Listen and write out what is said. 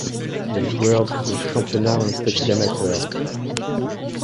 Les joueurs de ce championnat ont le statut d'amateur.